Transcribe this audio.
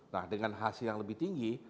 nah dengan hasil yang lebih tinggi